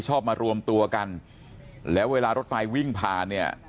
มารวมตัวกันแล้วเวลารถไฟวิ่งผ่านเนี่ย